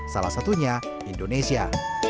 salah satunya indonesia